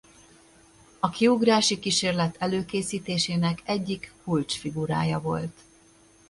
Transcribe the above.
A kiugrási kísérlet előkészítésének egyik kulcsfigurája volt.